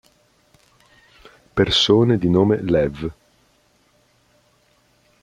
Persone di nome Lev